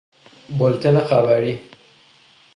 بولتن خبری